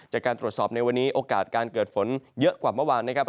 จากการตรวจสอบในวันนี้โอกาสการเกิดฝนเยอะกว่าเมื่อวานนะครับ